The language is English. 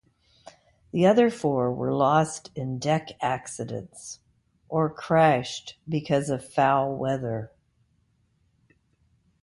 The other four were lost in deck accidents, or crashed because of foul weather.